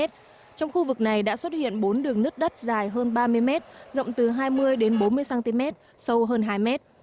trong khu vực này đã xuất hiện bốn đường nứt đất dài hơn ba mươi m rộng từ hai mươi đến bốn mươi cm sâu hơn hai m